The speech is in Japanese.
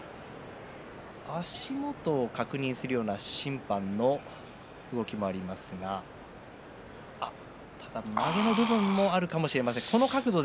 足元を確認するような審判の動きもありますがまげの部分もあるかもしれません。